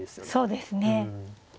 そうですね。